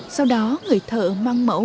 sau đó người thợ mang mẫu